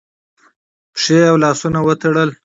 پښې او لاسونه وتړل